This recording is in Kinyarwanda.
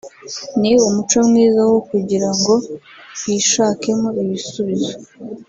ni umuco mwiza wo kugira ngo twishakemo ibisubizo